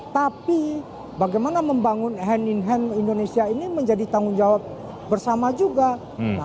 tapi bagaimana membangun hand in hand indonesia ini menjadi tanggung jawab bersama juga